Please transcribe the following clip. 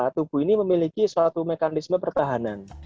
tubuh ini memiliki suatu mekanisme pertahanan